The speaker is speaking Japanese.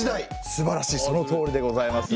すばらしいそのとおりでございます。